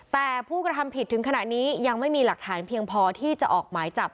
แต่ผู้กระทำผิดถึงขณะนี้ยังไม่มีหลักฐานเพียงพอที่จะออกหมายจับ